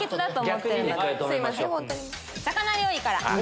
魚料理から。